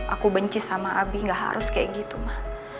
aku benci sama abi gak harus kayak gitu mah